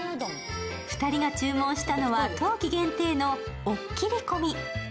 ２人が注文したのは冬季限定のおっきりこみ。